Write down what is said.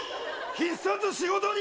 必殺仕事人！